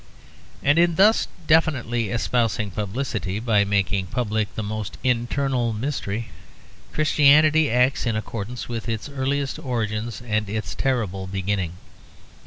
And in thus definitely espousing publicity by making public the most internal mystery, Christianity acts in accordance with its earliest origins and its terrible beginning.